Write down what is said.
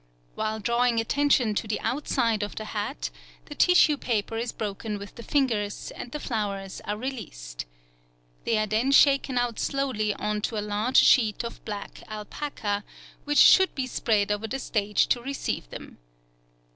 While drawing attention to the outside of the hat, the tissue paper is broken with the fingers, and the flowers are released. They are then shaken out slowly on to a large sheet of black alpaca, which should be spread over the stage to receive them.